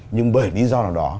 nhưng bởi lý do nào đó